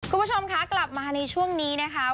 คุณผู้ชมคะกลับมาในช่วงนี้นะคะ